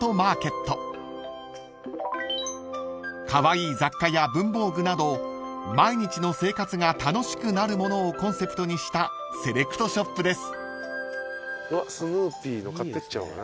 ［カワイイ雑貨や文房具など毎日の生活が楽しくなるものをコンセプトにしたセレクトショップです］